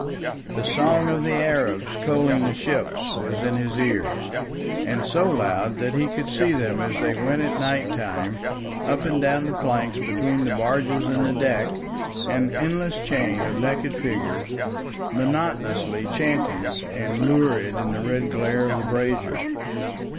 The song of the Arabs coaling the ship was in his ears, and so loud that he could see them as they went at night time up and down the planks between the barges and the deck, an endless chain of naked figures monotonously chanting and lurid in the red glare of the braziers.